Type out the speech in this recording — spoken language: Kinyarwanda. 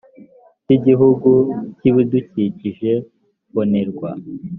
cy igihugu cy ibidukikije fonerwa